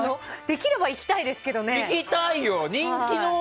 できれば行きたいですけどね。